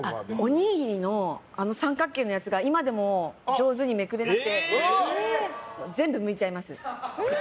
おにぎりの三角形のやつが今でも上手にめくれなくて全部むいちゃいます。